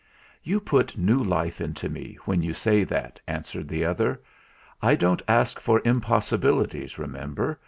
"You put new life into me when you say that," answered the other. "I don't ask for impossibilities, remember.